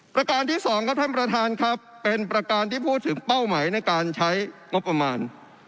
ประการที่สองครับท่านประธานครับเป็นประการที่พูดถึงเป้าหมายในการใช้งบประมาณ